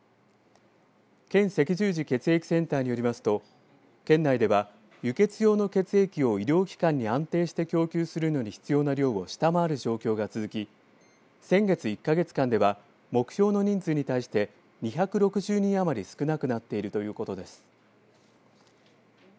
県赤十字血液センターによりますと県内では輸血用の血液を医療機関に安定して供給するのに必要な量を下回る状況が続き先月１か月間では目標の人数に対して２６０人余り少なくなっているということです。